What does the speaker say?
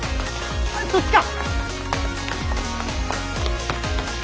そっちか！